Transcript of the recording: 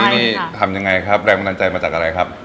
อันนี้ทำยังไงครับแรงกำลังใจมาจากอะไรครับ